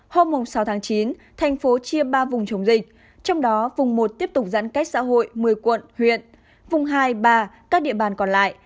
hôm sáu tháng chín thành phố chia ba vùng chống dịch trong đó vùng một tiếp tục giãn cách xã hội một mươi quận huyện vùng hai ba các địa bàn còn lại